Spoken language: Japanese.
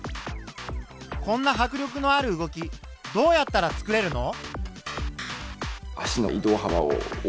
こんな迫力のある動きどうやったらつくれるの？